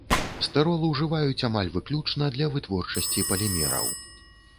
Стырол ўжываюць амаль выключна для вытворчасці палімераў.